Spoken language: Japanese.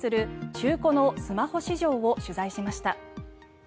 中古のスマホ市場を取材しました。